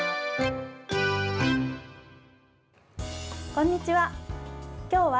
こんにちは。